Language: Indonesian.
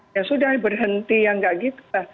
ya sudah berhenti yang nggak gitu